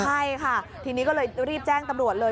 ใช่ค่ะทีนี้ก็เลยรีบแจ้งตำรวจเลย